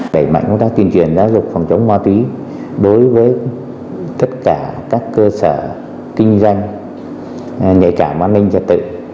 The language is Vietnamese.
để mạnh công tác tiền truyền giáo dục phòng chống ma túy đối với tất cả các cơ sở kinh doanh nhạy cản an ninh trật tự